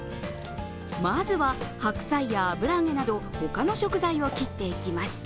まずは、白菜や油揚げなど他の食材を切っていきます。